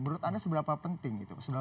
menurut anda seberapa penting itu seberapa perlu